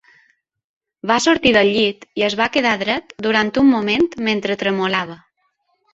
Va sortir del llit i es va quedar dret durant un moment mentre tremolava.